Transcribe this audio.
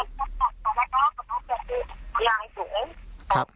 โทษให้ต้องอำรุณค่ะ